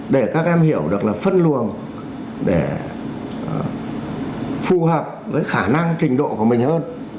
để các em hiểu được là phân luồng để phù hợp với khả năng trình độ của mình hơn